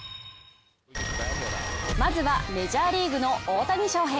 まずはメジャーリーグの大谷翔平。